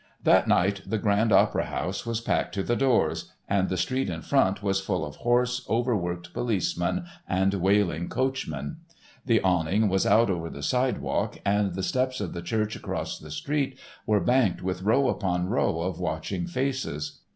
That night the Grand Opera House was packed to the doors and the street in front was full of hoarse, over worked policemen and wailing coachmen. The awning was out over the sidewalk and the steps of the church across the street were banked with row upon row of watching faces.